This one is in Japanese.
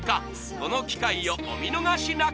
この機会をお見逃しなく